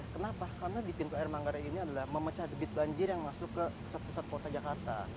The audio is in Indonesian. kenapa karena di pintu air manggarai ini adalah memecah debit banjir yang masuk ke pusat kota jakarta